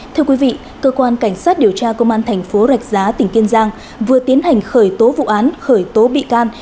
thưa quý vị cơ quan cảnh sát điều tra công an thành phố rạch giá tỉnh kiên giang vừa tiến hành khởi tố vụ án khởi tố bị can